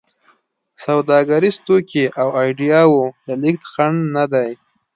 سوداګریز توکي او ایډیاوو د لېږد خنډ نه دی.